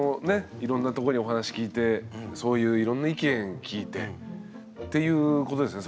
いろんなとこにお話聞いてそういういろんな意見聞いてっていうことですよね。